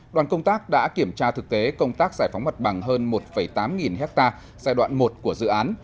đoàn công tác đã kiểm tra thực tế công tác giải phóng mặt bằng hơn một tám nghìn hectare giai đoạn một của dự án